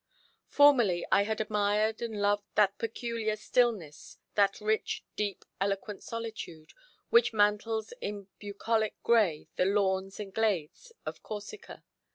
Formerly I had admired and loved that peculiar stillness, that rich deep eloquent solitude, which mantles in bucolic gray the lawns and glades of Corsica.